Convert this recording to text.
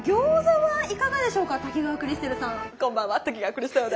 はい。